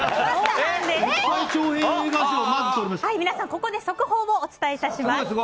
皆さん、ここで速報をお伝えします。